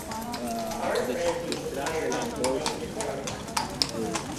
Art Ramsey was hired as a replacement drummer.